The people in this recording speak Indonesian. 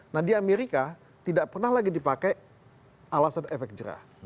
nah di amerika tidak pernah lagi dipakai alasan efek jerah